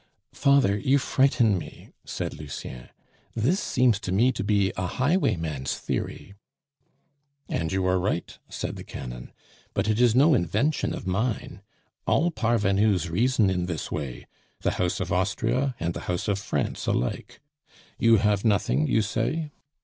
"Father, you frighten me," said Lucien; "this seems to me to be a highwayman's theory." "And you are right," said the canon, "but it is no invention of mine. All parvenus reason in this way the house of Austria and the house of France alike. You have nothing, you say?